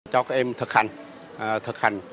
các em thực hành